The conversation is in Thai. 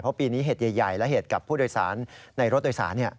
เพราะปีนี้เหตุใหญ่และเหตุกับผู้โดยสารในรถโดยสาร